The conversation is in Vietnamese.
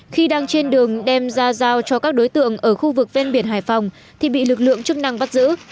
khi đang trên đường đem ra giao cho các đối tượng ở khu vực ven biển hải phòng thì bị lực lượng chức năng bắt giữ